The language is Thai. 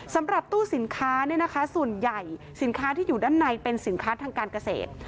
สำหรับตู้สินค้าส่วนใหญ่สินค้าที่อยู่ด้านในเป็นสินค้าทางการเกษตร